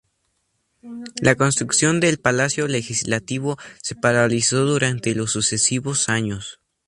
La construcción del Palacio Legislativo se paralizó durante los sucesivos años.